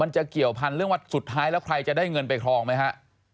จะเกี่ยวพันธุ์เรื่องว่าสุดท้ายแล้วใครจะได้เงินไปครองไหมฮะ